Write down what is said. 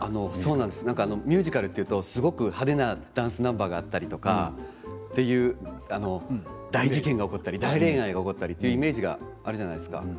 ミュージカルというとすごく派手なダンスナンバーがあったり大事件が起こったり大恋愛があったりというイメージがあるじゃないですか。